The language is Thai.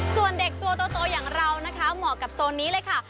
ส่วนเด็กตัวโตอย่างเรานะคะเหมาะกับโซนนี้เลยค่ะ